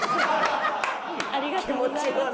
ありがとうございます。